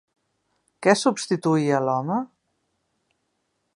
Què substituïa l'home?